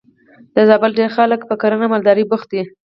د زابل ډېری خلک په کرنه او مالدارۍ بوخت دي.